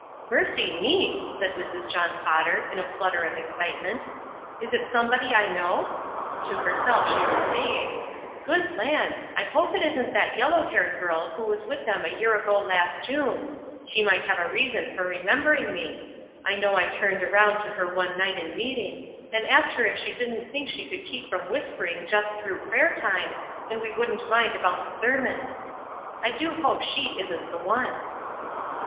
"Mercy me!" said Mrs. John Potter, in a flutter of excitement. "Is it somebody I know?" To herself she was saying: "Good land! I hope it isn't that yellow haired girl 418 ESTER RIED'S NAMESAKE who was with them a year ago last June — she might have a reason for remembering me. I know I turned around to her one night in meeting, and asked her if she didn't think she could keep from whispering just through prayer time, and we wouldn't mind about the sermon. I do hope she isn't the one."